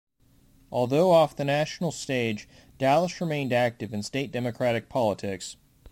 Although off the national stage, Dallas remained active in state Democratic politics.